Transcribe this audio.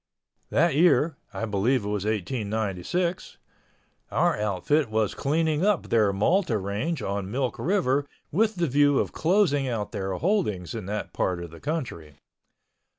That year—I believe it was 1896—our outfit was cleaning up their Malta Range on Milk River with the view of closing out their holdings in that part of the country.